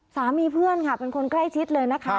สามีเพื่อนค่ะเป็นคนใกล้ชิดเลยนะคะ